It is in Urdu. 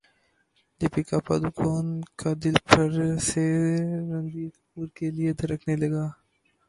دپیکا پڈوکون کا دل پھر سے رنبیر کپور کے لیے دھڑکنے لگا